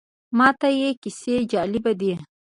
ماته یې کیسې جالبه دي.